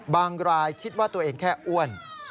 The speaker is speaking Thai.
รายคิดว่าตัวเองแค่อ้วน